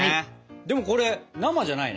でもこれ生じゃないね。